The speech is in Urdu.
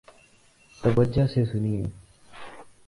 توجہ سے سنیئے